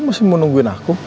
masih mau nungguin aku